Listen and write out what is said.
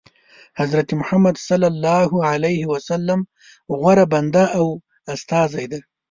حضرت محمد صلی الله علیه وسلم غوره بنده او استازی دی.